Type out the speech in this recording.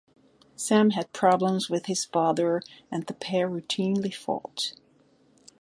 Sam had problems with his father and the pair routinely fought.